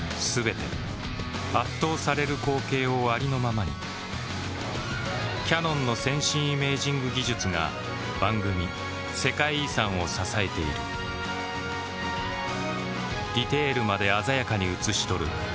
全て圧倒される光景をありのままにキヤノンの先進イメージング技術が番組「世界遺産」を支えているディテールまで鮮やかに映し撮る